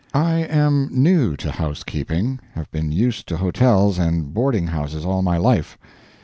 I am new to housekeeping; have been used to hotels and boarding houses all my life.